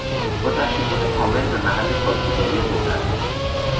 با تشریفات کامل به محل تاجگذاری خود رفت.